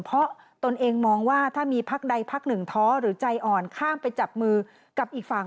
เพราะตนเองมองว่าถ้ามีพักใดพักหนึ่งท้อหรือใจอ่อนข้ามไปจับมือกับอีกฝั่ง